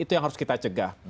itu yang harus kita cegah